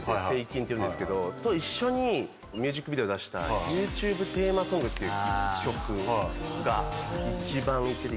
っていうんですけどと一緒にミュージックビデオを出した『ＹｏｕＴｕｂｅテーマソング』って曲が一番いってて。